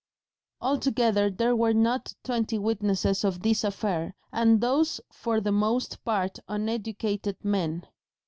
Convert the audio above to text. Altogether there were not twenty witnesses of this affair, and those for the most part uneducated men.